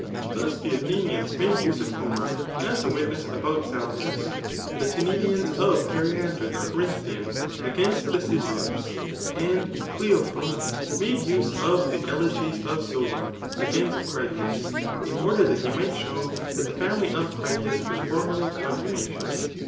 Thus the Athenians made use of Homer as a witness about Salamis } the Tenedians of Periander the Corinthian, against the Sigoeans ;^ CleophoQ made use of the elegies of Solon against Critias, in order that he might show that the ]§unily of Critias was fonoerly contumacious.